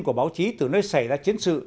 của báo chí từ nơi xảy ra chiến sự